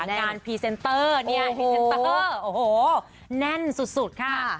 พรีเซนเตอร์เนี่ยพรีเซนเตอร์โอ้โหแน่นสุดค่ะ